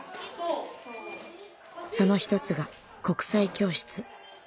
その一つが国際教室。